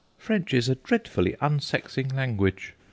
French is a dreadfully unsexing language."